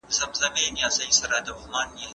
زه پوښتنه نه کوم!.